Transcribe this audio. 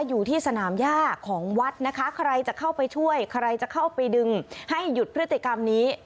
อยู่ที่สนามย่าของวัดนะคะใครจะเข้าไปช่วยใครจะเข้าไปดึงให้หยุดพฤติกรรมนี้